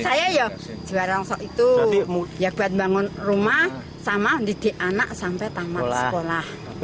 saya ngerongsok itu buat bangun rumah sama didik anak sampai tamat sekolah